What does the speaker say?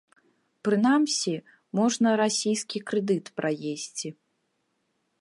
Прынамсі, можна расійскі крэдыт праесці.